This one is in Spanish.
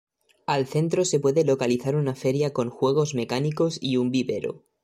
Al centro se puede localizar una feria con juegos mecánicos y un vivero.